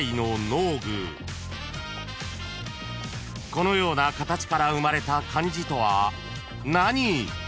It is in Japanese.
［このような形から生まれた漢字とは何？］